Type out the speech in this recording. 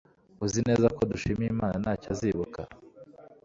Uzi neza ko Dushyimiyimana ntacyo azibuka